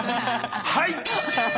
はい！